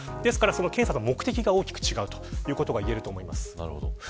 検査の目的が大きく違うということがいえます。